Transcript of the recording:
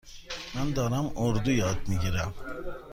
من دارم اردو یاد می گیرم.